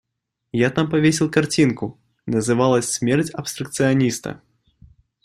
Я там повесил картинку, называлась «Смерть абстракциониста».